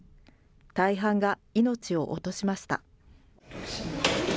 大半が命を落としました。